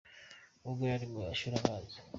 Ubwo yari mu mashuri abanza.